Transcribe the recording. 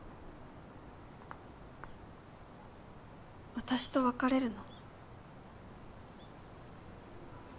私と別れるの？